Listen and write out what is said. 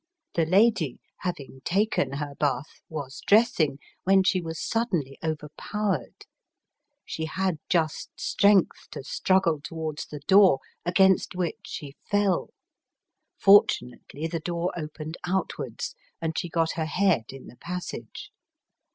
The lady, having taken her bath, was dressing, when she was suddenly overpowered. She had just strength to struggle towards the door, against which she fell. Fortunately the door opened out wards, and she got her head in the passage.